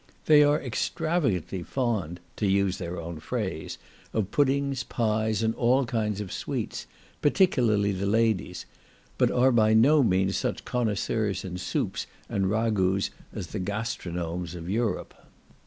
They are "extravagantly fond," to use their own phrase, of puddings, pies, and all kinds of "sweets," particularly the ladies; but are by no means such connoisseurs in soups and ragouts as the gastronomes of Europe.